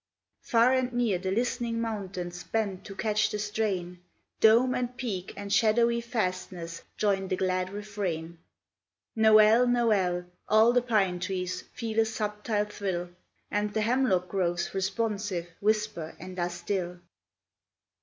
Far and near the listening mountains Bend to catch the strain, Dome, and peak, and shadowy fastness Join the glad refrain, — Noel! Noel! All the pine trees Feel a subtile thrill, And the hemlock groves, responsive, Whisper and are still.